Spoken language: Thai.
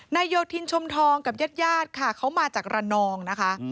โยธินชมทองกับญาติญาติค่ะเขามาจากระนองนะคะ